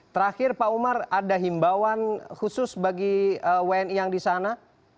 terakhir pak umar ada himbauan khusus bagi wni yang di sana